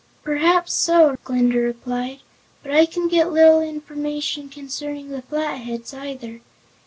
"Perhaps so," Glinda replied, "but I can get little information concerning the Flatheads, either.